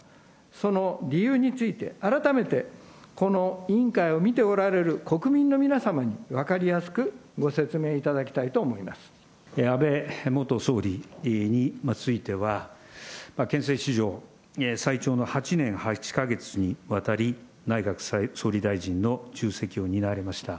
その理由について、改めてこの委員会を見ておられる国民の皆様に分かりやすくご説明安倍元総理については、憲政史上最長の８年８か月にわたり、内閣総理大臣の重責を担われました。